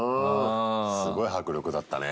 すごい迫力だったね。